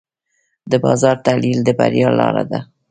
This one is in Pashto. د بازار تحلیل د بریا لاره ده.